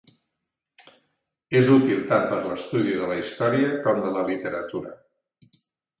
És útil, tant per l'estudi de la història com de la literatura.